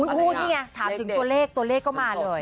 พูดนี่ไงถามถึงตัวเลขตัวเลขก็มาเลย